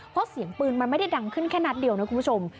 เพราะเสียงปืนมันไม่ได้ดังขึ้นแค่นัดเดียวนะคุณผู้ชม